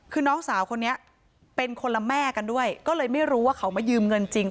คือน้องสาวคนนี้เป็นคนละแม่กันด้วยก็เลยไม่รู้ว่าเขามายืมเงินจริง